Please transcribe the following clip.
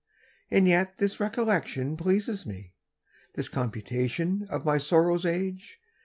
And yet this recollection pleases me, This computation of my sorrow's age.